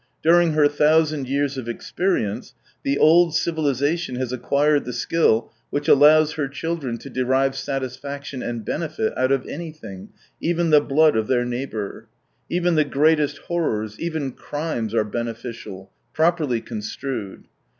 During her thousand years of experience, the old civflisation has acquired the skill which allows her children to derive satisfaction and benefit out of anything, even the blood of their neigh bour. Even the greatest horrors, even crimes are beneficial,' properly construed.